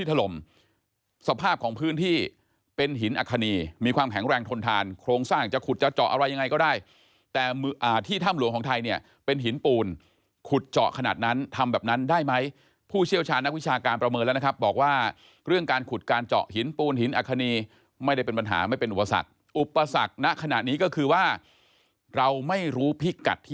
ถล่มสภาพของพื้นที่เป็นหินอัคคณีมีความแข็งแรงทนทานโครงสร้างจะขุดจะเจาะอะไรยังไงก็ได้แต่ที่ถ้ำหลวงของไทยเนี่ยเป็นหินปูนขุดเจาะขนาดนั้นทำแบบนั้นได้ไหมผู้เชี่ยวชาญนักวิชาการประเมินแล้วนะครับบอกว่าเรื่องการขุดการเจาะหินปูนหินอัคคณีไม่ได้เป็นปัญหาไม่เป็นอุปสรรคอุปสรรคณขณะนี้ก็คือว่าเราไม่รู้พิกัดที่